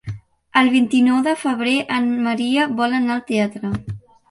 El vint-i-nou de febrer en Maria vol anar al teatre.